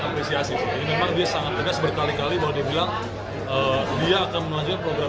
apresiasi memang dia sangat tegas berkali kali bahwa dia bilang dia akan melanjutkan program